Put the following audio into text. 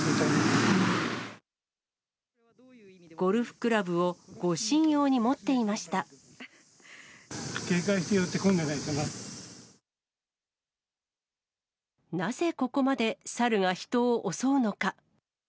ゴルフクラブを護身用に持っ警戒して寄ってこないんじゃなぜここまでサルが人を襲うのか。